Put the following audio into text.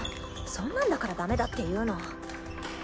そんなんだからダメだっていうの。